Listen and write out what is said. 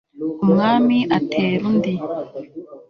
umwami atera undi